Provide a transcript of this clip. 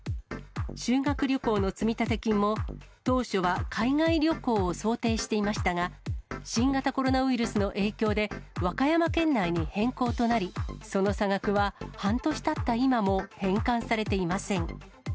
修学旅行の積立金も、当初は海外旅行を想定していましたが、新型コロナウイルスの影響で、和歌山県内に変更となり、その差額は半年たった今も返還されていません。